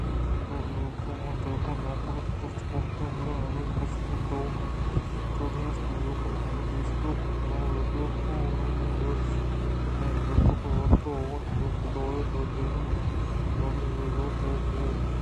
پدا ایوک ءَ من ءُدگہ نوکرے پشت کپتیں بلئے منی قسمت ءِشرّی اَت کہ یک رندے دیستوں کہ کلام پیداک اِنت بلئے اے منی بحت نہ اَت پرچاکہ آواتر بوتگ اَت کہ یک کتابے ءِ تہا چیزے ءِدرٛوگ ءَ بہ چاریت پدا زُوت واتربوت